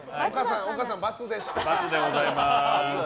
丘さん、×でした。